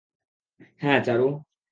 হ্যাঁ, চারু।